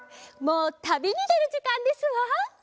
もうたびにでるじかんですわ。